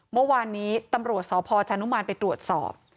เมื่อวานนี้ตำรวจสพชานุมานไปตรวจสอบ